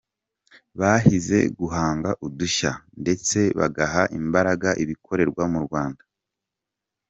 Bahize guhanga udushya, ndetse bagaha imbaraga ibikorerwa mu Rwanda